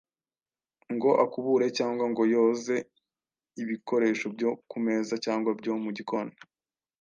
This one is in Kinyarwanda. ngo akubure cyangwa ngo yoze ibikoresho byo ku meza cyangwa byo mu gikoni.